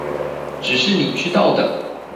只是你知道的